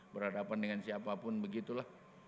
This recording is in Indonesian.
berhadapan dengan siapapun begitulah